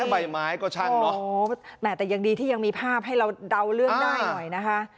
ใบไม้ก็ช่างเนอะแหมแต่ยังดีที่ยังมีภาพให้เราเดาเรื่องได้หน่อยนะคะ